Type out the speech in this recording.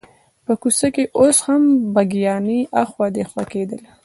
په کوڅه کې اوس هم بګیانې اخوا دیخوا کېدلې.